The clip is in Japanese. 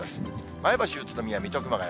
前橋、宇都宮、水戸、熊谷。